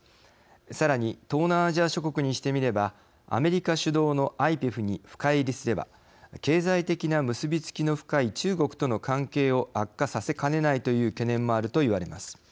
さらに東南アジア諸国にしてみればアメリカ主導のＩＰＥＦに深入りすれば経済的な結び付きの深い中国との関係を悪化させかねないという懸念もあるといわれます。